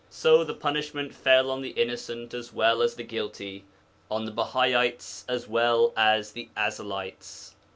So the punishment fell on the innocent as well as the guilty, on the Bahaites as well as the Ezelites.